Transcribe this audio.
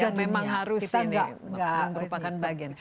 yang memang harus ini merupakan bagian